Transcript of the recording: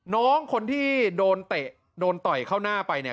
น้องคนที่โดนเตะโดนต่อยเข้าหน้าไปเนี่ย